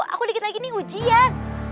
aku dikit lagi nih ujian